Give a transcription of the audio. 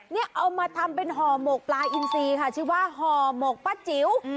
นี่เอามาทำเป็นห่อหมกปลาอินซีค่ะชื่อว่าห่อหมกป้าจิ๋ว